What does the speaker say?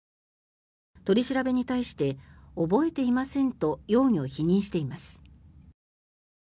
取り調べに対して覚えていませんと容疑を否認しています。